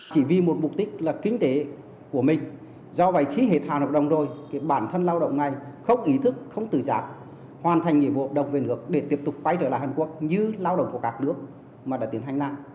chỉ vì một mục tích là kinh tế của mình do vậy khi hệ thống lao động rồi bản thân lao động này không ý thức không tự giảm hoàn thành nhiệm vụ đồng biện hợp để tiếp tục quay trở lại hàn quốc như lao động của các nước mà đã tiến hành lại